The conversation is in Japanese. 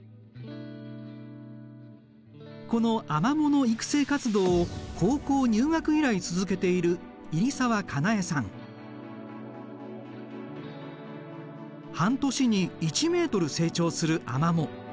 このアマモの育成活動を高校入学以来続けている半年に１ｍ成長するアマモ。